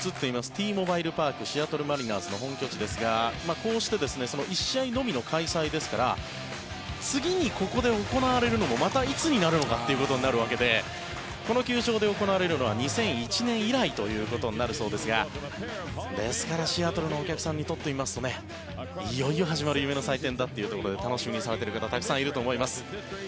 Ｔモバイル・パークシアトル・マリナーズの本拠地ですがこうして１試合のみの開催ですから次にここで行われるのもまたいつになるのかということになるわけでこの球場で行われるのは２００１年以来ということになるそうですがですからシアトルのお客さんにとってみますといよいよ始まる夢の祭典だというところで楽しみにされている方たくさんいると思います。